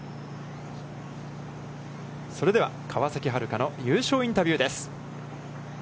それでは川崎春花の優勝インタビューです。